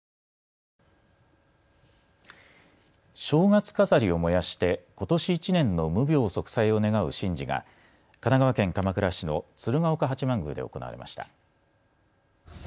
正月飾りを燃やして、ことし１年の無病息災を願う神事が神奈川県鎌倉市の鶴岡八幡宮で行われました。